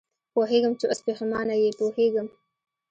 پوهېږم چې اوس پېښېمانه یې، پوهېږم.